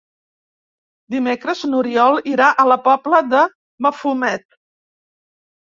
Dimecres n'Oriol irà a la Pobla de Mafumet.